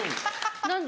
何で？